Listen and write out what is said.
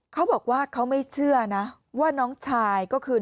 เขาบอกว่าเขาไม่เชื่อนะว่าน้องชายก็คือ